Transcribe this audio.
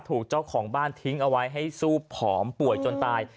ถูกเจ้าของบ้านทิ้งเอาไว้ให้สู้ผอมป่วยจนตาย